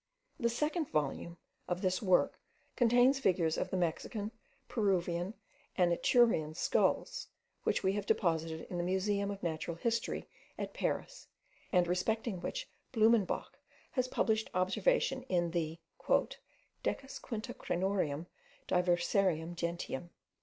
The second volume of this work contains figures of the Mexican, Peruvian, and Aturian skulls, which we have deposited in the Museum of Natural History at Paris, and respecting which Blumenbach has published observations in the 'Decas quinta Craniorum diversarum gentium.'